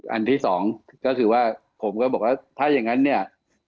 อันที่สองก็คือว่าผมก็บอกว่าถ้าอย่างนั้นเนี่ย